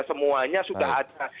semuanya sudah ada